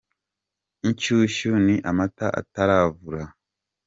inshyushyu ni amata ataravura